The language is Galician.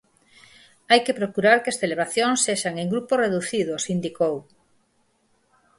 "Hai que procurar que as celebracións sexan en grupos reducidos", indicou.